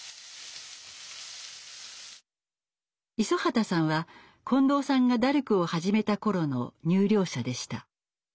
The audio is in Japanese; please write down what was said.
五十畑さんは近藤さんがダルクを始めた頃の入寮者でした。